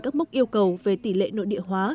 các mốc yêu cầu về tỷ lệ nội địa hóa